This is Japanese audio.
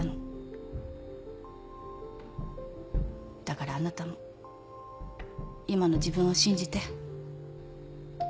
だからあなたも今の自分を信じて。